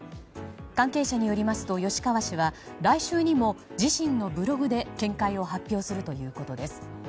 関係者によりますと吉川氏は来週にも自身のブログで見解を発表するということです。